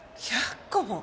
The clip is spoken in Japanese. １００個も？